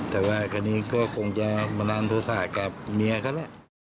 แต่ว่าคนนี้ก็คงจะมาร้านธุรกิจกับเมียเขาแหละ